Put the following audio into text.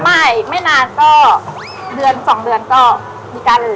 ไม่ไม่นานก็เดือนสองเดือนก็มีการ